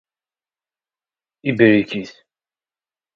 Ibriket.